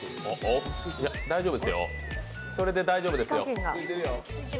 大丈夫ですよ、それで大丈夫ですよ。